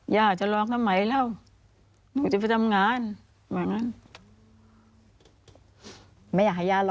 อยากล้อมทำไม